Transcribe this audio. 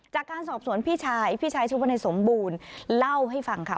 จากการสอบสวนพี่ชายพี่ชายชื่อว่าในสมบูรณ์เล่าให้ฟังค่ะ